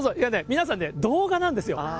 皆さんね、動画なんですよ。